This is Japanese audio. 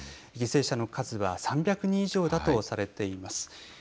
犠牲者の数は３００人以上だとされています。